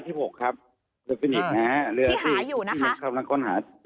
ที่หายอยู่นะครับ